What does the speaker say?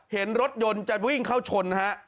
เห็นรถยนต์จะวิ่งเข้าชนฮะ